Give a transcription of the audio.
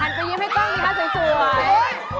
หั่นไปยิ้มให้กล้องดีมากสวย